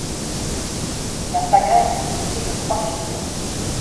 La saga est constituée de trois films.